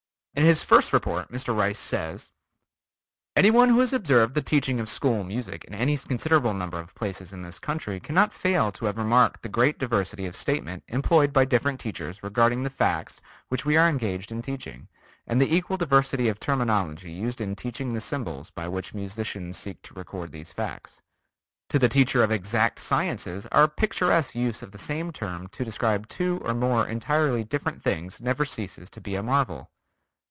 In his first report Mr. Rice says: "Any one who has observed the teaching of school music in any considerable number of places in this country cannot fail to have remarked the great diversity of statement employed by different teachers regarding the facts which we are engaged in teaching, and the equal diversity of terminology used in teaching the symbols by which musicians seek to record these facts. To the teacher of exact sciences our picturesque use of the same term to describe two or more entirely different things never ceases to be a marvel....